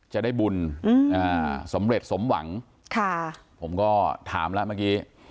จะได้บุญสำเร็จสมหวังค่ะผมก็ถามแล้วเมื่อกี้